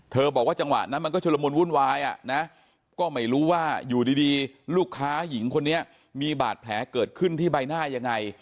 บอกว่าจังหวะนั้นมันก็ชุลมุนวุ่นวายอ่ะนะก็ไม่รู้ว่าอยู่ดีลูกค้าหญิงคนนี้มีบาดแผลเกิดขึ้นที่ใบหน้ายังไง